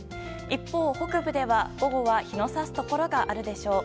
一方、北部では午後は日の差すところがあるでしょう。